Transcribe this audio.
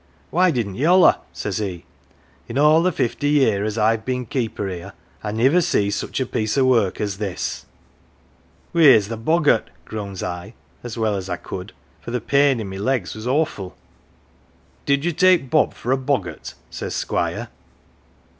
Why didn't ye holler ?' says he ;* in all the fifty year as I've been keeper 'ere, I niver see such a piece o' work as this !'"' Wheer's th' boggart ?' groans I, as well as I could, for th' pain o' my legs was awful. "' Did you take Bob for a boggart ?' says Squire.